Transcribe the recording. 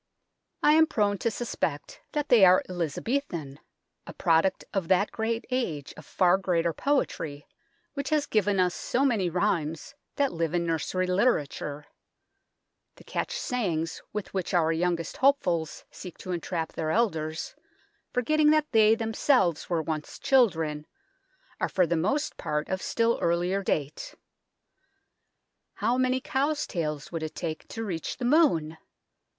BELFRY TOWER OF ST. CLEMENT DANES, STRAND THE BELLS OF ST CLEMENT'S 233 I am prone to suspect that they are Elizabethan, a product of that great age of far greater poetry, which has given us so many rhymes that live in nursery literature. The catch sayings with which our youngest hopefuls seek to entrap their elders, forgetting that they themselves were once children, are for the most part of still earlier date. " How many cows' tails would it take to reach the moon